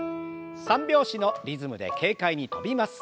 三拍子のリズムで軽快に跳びます。